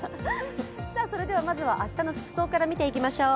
まずは明日の服装から見ていきましょう。